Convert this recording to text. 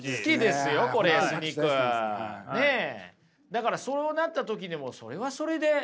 だからそうなった時でもそれはそれでねえ。